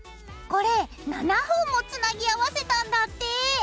これ７本もつなぎ合わせたんだって。